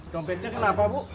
dompetnya kenapa bu